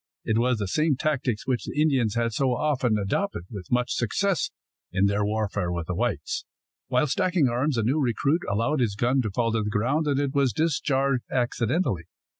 It was the same tactics which the Indians had so often adopted with much success in their warfare with the whites. While stacking arms, a new recruit allowed his gun to fall to the ground, and it was discharged accidentally.